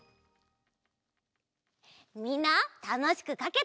みんなたのしくかけた？